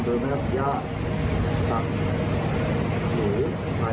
นักศึกษาอาลินดา